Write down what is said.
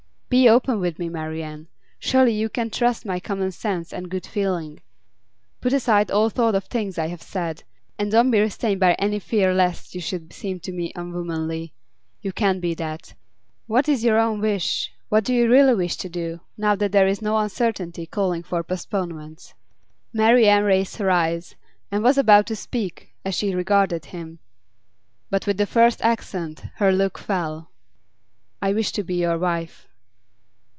Be open with me, Marian; surely you can trust my common sense and good feeling. Put aside all thought of things I have said, and don't be restrained by any fear lest you should seem to me unwomanly you can't be that. What is your own wish? What do you really wish to do, now that there is no uncertainty calling for postponements?' Marian raised her eyes, and was about to speak as she regarded him; but with the first accent her look fell. 'I wish to be your wife.